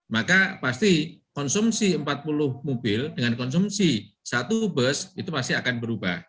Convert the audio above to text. maka pasti konsumsi empat puluh mobil dengan konsumsi satu bus itu pasti akan berubah